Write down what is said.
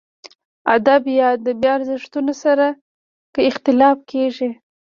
ادب یا ادبي ارزښتونو سره که اختلاف کېږي.